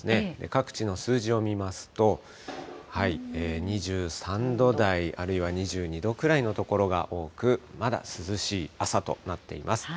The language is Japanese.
各地の数字を見ますと、２３度台、あるいは２２度くらいの所が多く、まだ涼しい朝となっています。